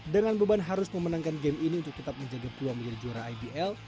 dengan beban harus memenangkan game ini untuk tetap menjaga peluang menjadi juara ibl